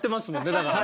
だからね。